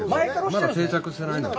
まだ定着してないので。